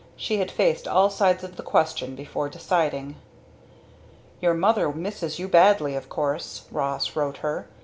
She had faced all sides of the question before deciding. "Your mother misses you badly, of course," Ross wrote her.